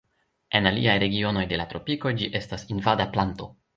En aliaj regionoj de la Tropikoj ĝi estas invada planto.